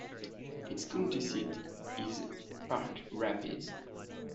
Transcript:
Its county seat is Park Rapids.